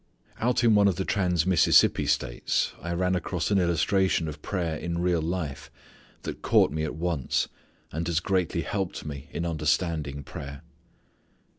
Out in one of the trans Mississippi states I ran across an illustration of prayer in real life that caught me at once, and has greatly helped me in understanding prayer.